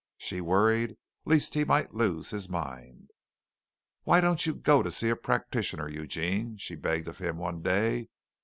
She worried lest he might lose his mind. "Why don't you go to see a practitioner, Eugene?" she begged of him one day.